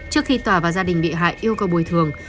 trước khi tòa và gia đình bị hại yêu cầu bồi thường